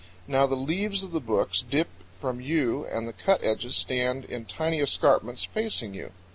Now the leaves of the books dip from you and the cut edges stand in tiny escarpments facing you.